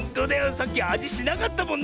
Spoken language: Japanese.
さっきあじしなかったもんな。